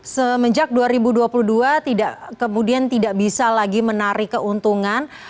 semenjak dua ribu dua puluh dua tidak kemudian tidak bisa lagi menarik keuntungan